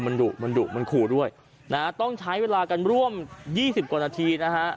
มันดุมันดุมันขู่ด้วยนะฮะต้องใช้เวลากันร่วมยี่สิบกว่านาทีนะฮะ